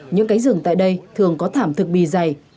những cánh rừng tại đây thường có thảm thực bì dày